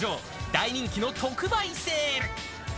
大人気の特売セール。